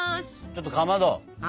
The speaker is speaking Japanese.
ちょっとかまど。は？